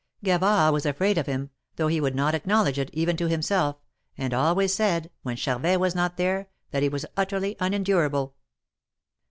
Gavard was afraid of him, though he would not acknowledge it, even to himself, and always said, when Charvet was not there, that he was utterly unendurable.